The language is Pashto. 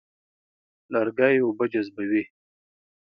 لرګی اوبه جذبوي.